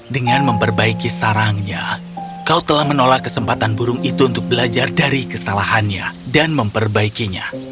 dengan memperbaiki sarangnya kau telah menolak kesempatan burung itu untuk belajar dari kesalahannya dan memperbaikinya